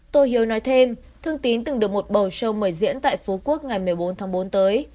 tôi hiếu nói thêm thương tín từng được một bầu show mời diễn tại phú quốc ngày một mươi bốn tháng bốn tới